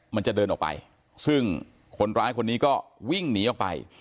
มันจะเดินออกไปซึ่งคนร้ายคนนี้ก็วิ่งหนีออกไป